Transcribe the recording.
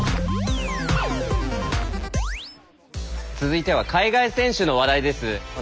続いては海外選手の話題です。